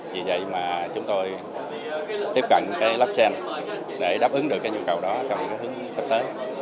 vì vậy mà chúng tôi tiếp cận cái blockchain để đáp ứng được cái nhu cầu đó trong hướng sắp tới